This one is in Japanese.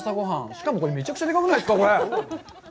しかもこれ、めちゃくちゃでかくないですか、これ。